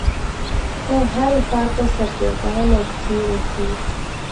خو هرې خوا ته سرګردانه څي رڅي.